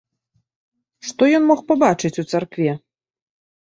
Што ён мог пабачыць у царкве?